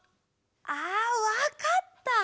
ああわかった！